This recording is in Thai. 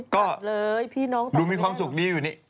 ก็ดูมีความสุขดีอยู่นี่